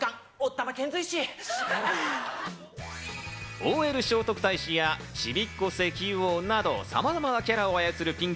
ＯＬ聖徳太子や、ちびっこ石油王など様々なキャラを操るピン